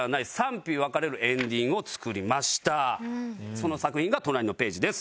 その作品が隣のページです。